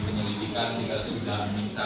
penyelidikan kita sudah minta